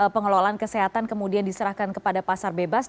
pengelolaan kesehatan kemudian diserahkan kepada pasar bebas